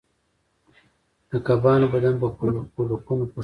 د کبانو بدن په پولکونو پوښل شوی دی